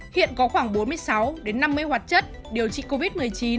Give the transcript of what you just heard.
hiện có khoảng bốn mươi sáu đến năm mươi hoạt chất điều trị covid một mươi chín